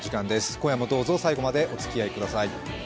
今夜もどうぞ最後までお付き合いください。